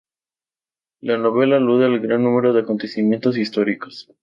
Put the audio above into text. La novela alude a un gran número de acontecimientos históricos.